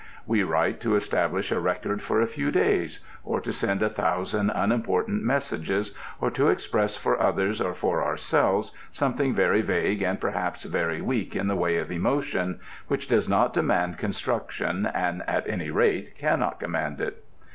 We write to establish a record for a few days: or to send a thousand unimportant messages: or to express for others or for ourselves something very vague and perhaps very weak in the way of emotion, which does not demand construction and at any rate cannot command it.